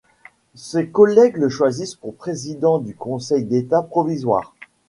Ses collègues le choisissent pour président du conseil d'État provisoire.